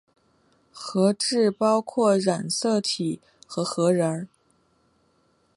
核质包括染色体和核仁。